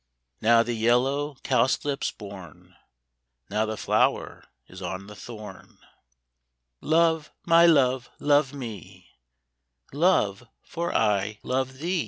Now the yellow cowslip's born, Now the flower is on the thorn :" Love, my love, love me, Love, for I love thee